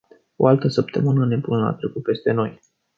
O altă săptămână nebună a trecut peste noi.